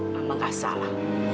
mama gak salah